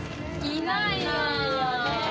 いないよね。